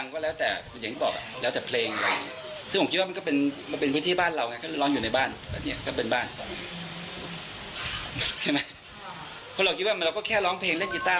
เพราะเราคิดว่าเราก็แค่ร้องเพลงเล่นกีต้า